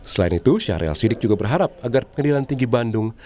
selain itu syahril sidik juga berharap agar pengadilan tinggi bandung